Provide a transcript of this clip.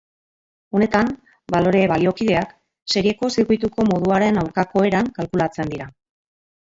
Honetan balore baliokideak serieko zirkuituko moduaren aurkako eran kalkulatzen dira.